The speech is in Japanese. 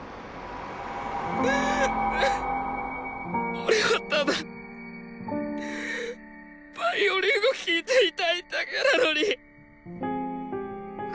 俺はただヴァイオリンを弾いていたいだけなのに！